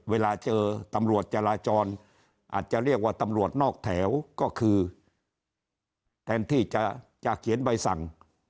เวลาเจอตำรวจจราจรอาจจะเรียกว่าตำรวจนอกแถวก็คือแทนที่จะเขียนใบสั่ง